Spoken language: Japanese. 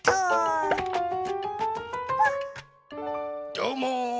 どうも！